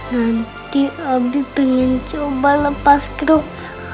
nanti abie pengen coba lepas kruk